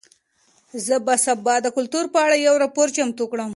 زه به سبا د کلتور په اړه یو راپور چمتو کړم.